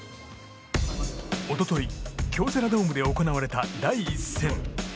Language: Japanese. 一昨日、京セラドームで行われた第１戦。